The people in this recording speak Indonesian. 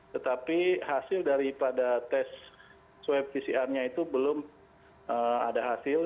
tetapi hasil daripada swab pcrnya itu belum ada hasil